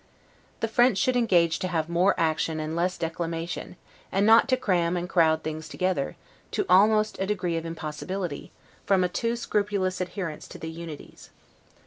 The French should engage to have more action and less declamation; and not to cram and crowd things together, to almost a degree of impossibility, from a too scrupulous adherence to the unities.